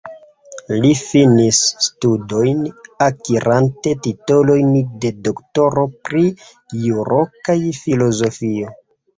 Li finis studojn akirante titolojn de doktoro pri juro kaj filozofio.